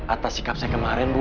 atas sikap saya kemarin bu